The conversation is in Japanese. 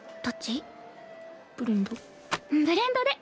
ブレンドで。